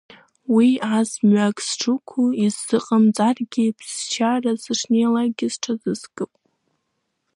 Уи ас мҩакы сшықәу исзыҟамҵаргьы ԥсшьара сышнеилакгьы сҽазыскып.